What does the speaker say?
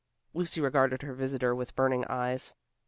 Lucy regarded her visitor with burning eyes.